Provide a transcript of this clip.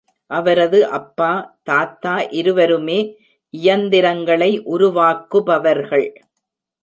அவரது அப்பா, தாத்தா இருவருமே இயந்திரகளை உருவாக்குபவர்கள்.